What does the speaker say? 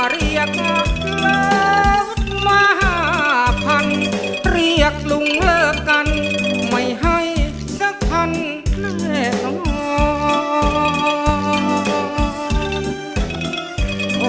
เรียกล้อเล่นมหภัณฑ์เรียกลุงเลิกกันไม่ให้กระคัญเลทอ้อ